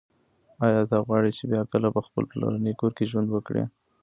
ایا ته غواړي چې بیا کله په خپل پلرني کور کې ژوند وکړې؟